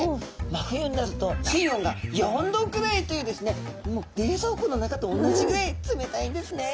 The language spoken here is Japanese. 真冬になると水温が４℃くらいというですね冷蔵庫の中とおんなじぐらい冷たいんですね。